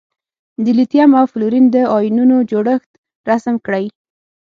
د لیتیم او فلورین د ایونونو جوړښت رسم کړئ.